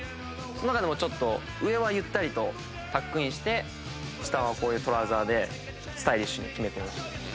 その中でも上はゆったりとタックインして下はこういうトラウザーでスタイリッシュに決めてみました。